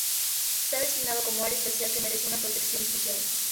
Se ha designado como "área especial" que merece una protección especial.